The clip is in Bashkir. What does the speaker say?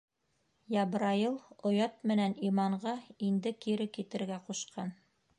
Ябраил оят менән иманға инде кире китергә ҡушҡан.